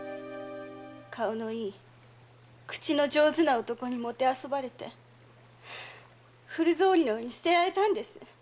顔のいい口の上手な男に弄ばれて古草履のように棄てられたんです。